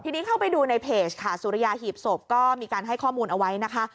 ทีนี้เข้าไปดูในเพจค่ะสุริยาหีบศพก็มีการให้ข้อมูลเอาไว้นะคะ